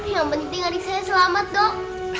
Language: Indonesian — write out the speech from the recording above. yang penting adik saya selamat dok